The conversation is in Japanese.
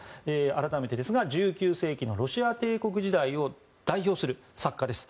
改めて１９世紀のロシア帝国時代を代表する作家です。